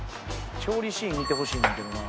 「調理シーン見てほしいんだけどな」